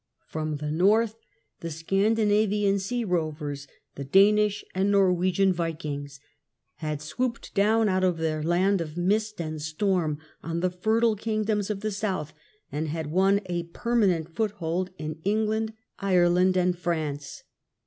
From the North, the Scandinavian sea rovers, the Danish and Norwegian Vikings, had swooped down out of their land of mist and storm on the fertile kingdoms of the south, and had won a permanent foothold in England, Ireland, and 4 THE CENTRAL PERIOD OF THE MIDDLE AGE France.